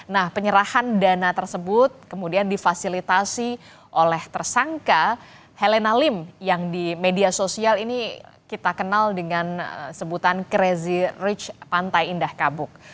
nah penyerahan dana tersebut kemudian difasilitasi oleh tersangka helena lim yang di media sosial ini kita kenal dengan sebutan crazy rich pantai indah kabuk